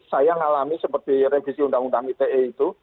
saya ngalami seperti revisi undang undang ite itu